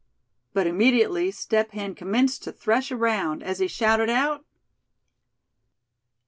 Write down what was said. But immediately Step Hen commenced to thresh around, as he shouted out: "Thad!